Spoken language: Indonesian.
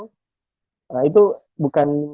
nah itu bukan